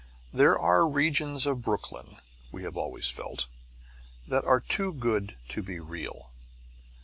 There are regions of Brooklyn, we have always felt, that are too good to be real.